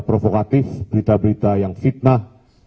provokatif berita berita yang fitnah